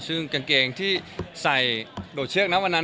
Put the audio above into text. ซึ่งกางเกงที่ใส่โดดเชือกนะวันนั้น